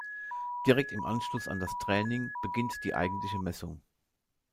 Direkt im Anschluss an das Training beginnt die eigentliche Messung.